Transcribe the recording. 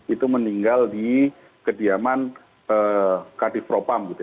itu meninggal di kediaman kadifropam